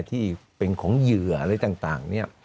ที่เป็นของเหยื่ออะไรต่างเนี่ย